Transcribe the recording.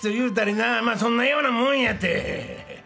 まそんなようなもんやて。